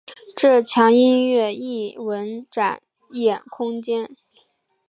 这墙音乐艺文展演空间。